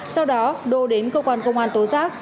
sau đó đô đến cơ quan công an tố giác